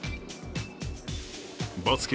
バスケ